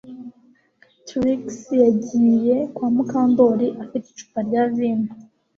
Trix yagiye kwa Mukandoli afite icupa rya vino